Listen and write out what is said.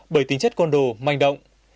bởi tính chất quân đồ manh động